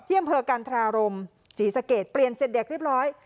เที่ยมเผอการทราลมศีรษะเกตเปลี่ยนเสร็จเด็กเรียบร้อย